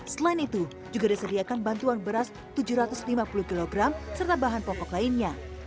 selain itu juga disediakan bantuan beras tujuh ratus lima puluh kg serta bahan pokok lainnya